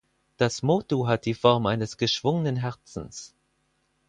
Das Motu hat die Form eines geschwungenen Herzens.